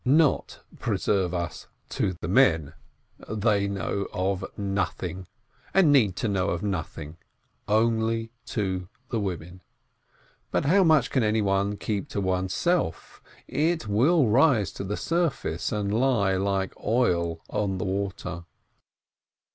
Not (preserve us !) to the men — they know of nothing, and need to know of nothing — only to the women. But how much can anyone keep to oneself? It will rise to the surface, and lie like oil on the water.